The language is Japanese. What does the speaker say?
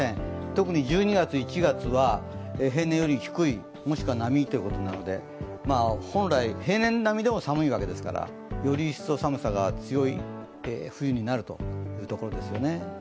特に１２月、１月は平年より低い、もしくは並ということで本来、平年並みでも寒いわけですからより一層寒い冬になるということですね。